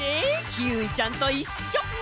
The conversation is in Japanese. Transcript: キーウィちゃんといっしょ。ね！